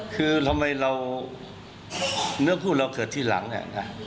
คือทำไมเราเนื้อพูดเราเกิดทีหลังเนี่ยนะ